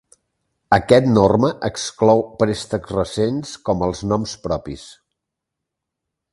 Aquest norma exclou préstecs recents com els noms propis.